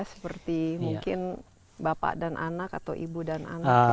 seperti mungkin bapak dan anak atau ibu dan anak ya